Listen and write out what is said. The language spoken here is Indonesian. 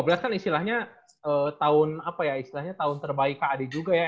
itu dua ribu lima belas kan istilahnya tahun apa ya istilahnya tahun terbaik kad juga ya